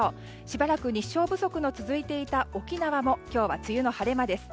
しばらく日照不足の続いていた沖縄も今日は梅雨の晴れ間です。